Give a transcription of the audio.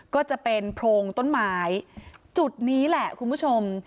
ก็จะเป็นโพรงต้นไม้จุดนี้แหละคุณผู้ชม